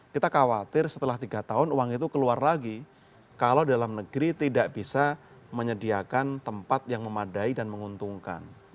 kita khawatir setelah tiga tahun uang itu keluar lagi kalau dalam negeri tidak bisa menyediakan tempat yang memadai dan menguntungkan